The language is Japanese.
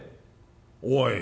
おい。